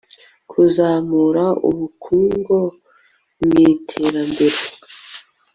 kuzamura ubukungo mwiterambere